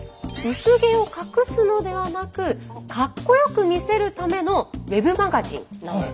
薄毛を隠すのではなくかっこよく見せるためのウェブマガジンなんです。